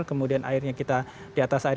kemudian airnya kita di atas air